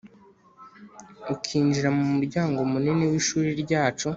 ukinjira mu muryango munini w’ishuri ryacu